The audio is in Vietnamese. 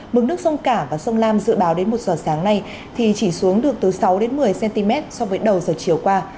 mực nước sông cả và sông lam dự báo đến một giờ sáng nay thì chỉ xuống được từ sáu một mươi cm so với đầu giờ chiều qua